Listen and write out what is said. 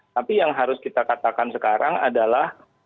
tapi yang harus kita katakan sekarang adalah